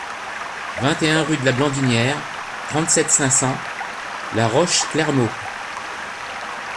vingt et un rue de la Blandinière, trente-sept, cinq cents, La Roche-Clermault